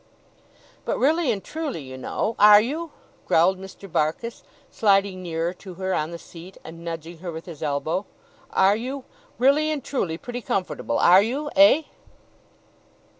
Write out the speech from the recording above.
'But really and truly, you know. Are you?' growled Mr. Barkis, sliding nearer to her on the seat, and nudging her with his elbow. 'Are you? Really and truly pretty comfortable? Are you? Eh?